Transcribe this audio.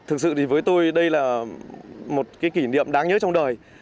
thực sự với tôi đây là một kỷ niệm đáng nhớ trong đời